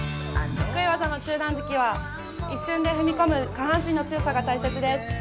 得意技の中段突きは一瞬で踏み込む下半身の強さが大切です。